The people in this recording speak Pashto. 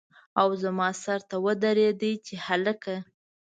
او زما سر ته ودرېد چې هلکه!